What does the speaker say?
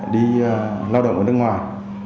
đi lao động ở nước ngoài